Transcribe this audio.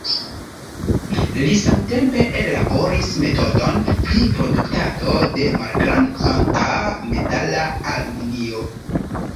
Li samtempe ellaboris metodon pri produktado de malgrand-kvanta metala aluminio.